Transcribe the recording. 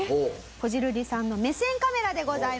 こじるりさんの目線カメラでございます。